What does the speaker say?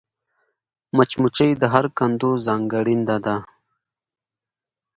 مچمچۍ د هر کندو ځانګړېنده ده